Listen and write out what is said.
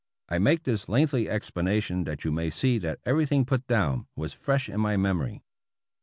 I make this lengthy explanation that you may see that everything put down was fresh in my memory.